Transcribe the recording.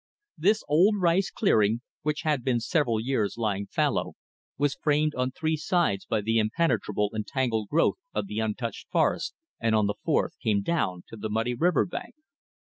This old rice clearing, which had been several years lying fallow, was framed on three sides by the impenetrable and tangled growth of the untouched forest, and on the fourth came down to the muddy river bank.